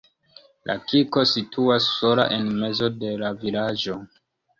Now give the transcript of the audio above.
La kirko situas sola en mezo de la vilaĝo.